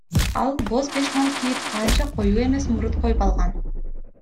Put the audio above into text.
Ал боз бешмант кийип, анча коюу эмес мурут коюп алган.